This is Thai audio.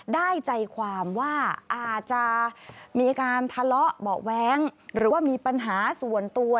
ได้ใจความว่าอาจจะมีการทะเลาะเบาะแว้งหรือว่ามีปัญหาส่วนตัว